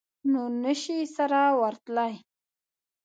نو نه شي سره ورتلای.